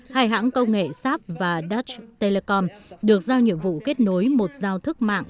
hai hãng công nghệ saab và dutch telecom được giao nhiệm vụ kết nối một giao thức mạng